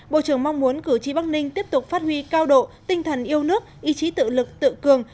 bộ trưởng mong muốn cử tri bắc ninh tiếp tục phát huy cao độ tinh thần yêu nước ý chí tự lực tự cường